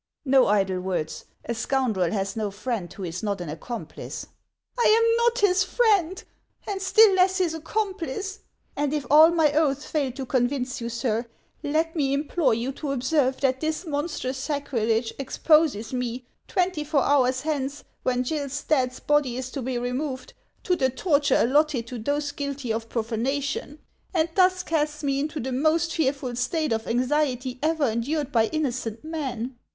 Xo idle words ! A scoundrel has no friend who is not an accomplice." " I am not his friend, and still less his accomplice ; and if all my oaths fail to convince you, sir, let me implore you to observe that this monstrous sacrilege exposes me, twenty four hours hence, when Gill Stadt's body is to be removed, to the torture allotted to those guilty of profa 92 HANS OF ICELAND. nation, and thus casts me into the most fearful state of anxiety ever endured by innocent man."